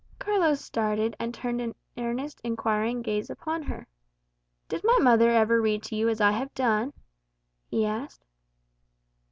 Carlos started, and turned an earnest inquiring gaze upon her. "Did my mother ever read to you as I have done?" he asked.